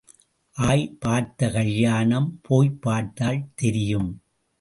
ஆய் பார்த்த கல்யாணம் போய்ப் பார்த்தால் தெரியும்.